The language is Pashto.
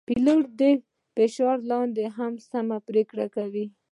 پیلوټ د فشار لاندې هم سمه پرېکړه کوي.